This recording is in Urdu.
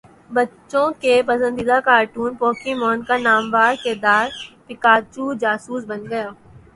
بچوں کے پسندیدہ کارٹون پوکیمون کا نامور کردار پکاچو جاسوس بن گیا